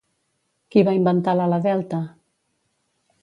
Qui va inventar l'ala delta?